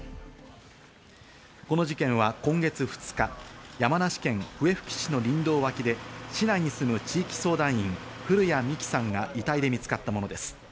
この事件は今月２日、山梨県笛吹市の林道脇で市内に住む地域相談員・古屋美紀さんが遺体で見つかったものです。